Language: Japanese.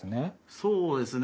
そうですね。